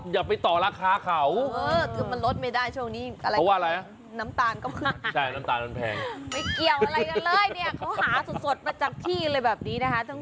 อย่าไปต่ออะไรหลังผึ้ง